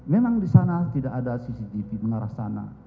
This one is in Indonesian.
memang di sana tidak ada cctv mengarah sana